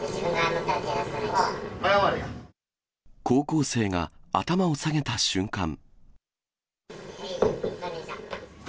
高校生が、頭を下げた瞬間。